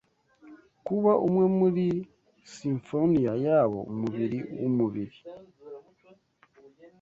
Kuba umwe muri 'simfoniya' yabo, Umubiri wumubiri